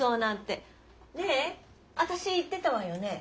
ねえ私言ってたわよね